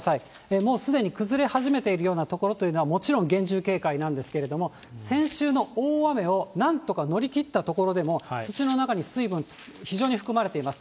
もうすでに崩れ始めているような所というのは、もちろん厳重警戒なんですけれども、先週の大雨をなんとか乗り切った所でも、土の中に水分、非常に含まれています。